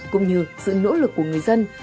cũng như sự nỗ lực của người dân